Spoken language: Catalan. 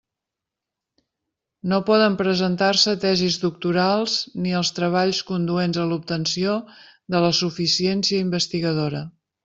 No poden presentar-se tesis doctorals ni els treballs conduents a l'obtenció de la suficiència investigadora.